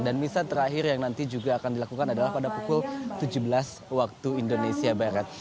dan misa terakhir yang nanti juga akan dilakukan adalah pada pukul tujuh belas waktu indonesia barat